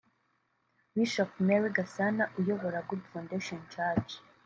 Bishop Mary Gasana uyobora Good Foundation church